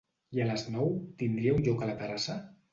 I a les nou, tindríeu lloc a la terrassa?